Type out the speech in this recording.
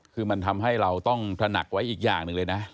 คือมันทำให้เราต้องตระหนักไว้อีกอย่างหนึ่งเลยนะ